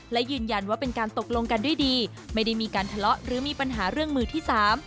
และยืนยันว่าเป็นการตกลงกันด้วยดีไม่ได้มีการทะเลาะหรือมีปัญหาเรื่องมือที่สาม